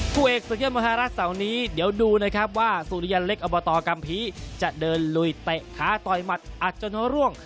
ผู้เอกสุดยอดมหารัฐเสาร์นี้เดี๋ยวดูนะครับว่าสุริยันเล็กอบตกัมภีร์จะเดินลุยเตะขาต่อยหมัดอัดจนร่วง